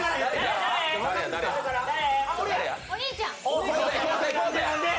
お兄ちゃん。